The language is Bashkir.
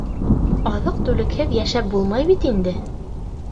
Аҙыҡ-түлекһеҙ йәшәй булмай бит инде.